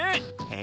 え？